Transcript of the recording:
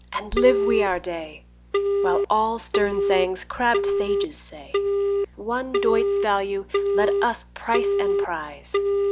and live we our day, While all stern sayings crabbed sages say, At one doit's value let us price and prize!